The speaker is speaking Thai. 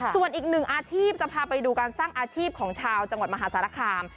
ส่วนอีกหนึ่งอาชีพจะพาไปดูการสร้างอาชีพของชาวจังหวัดมหาสารคาม